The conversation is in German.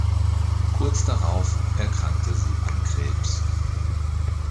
Kurz darauf erkrankte sie an Krebs.